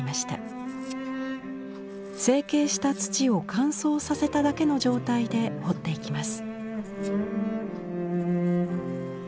成形した土を乾燥させただけの状態で彫っていきます。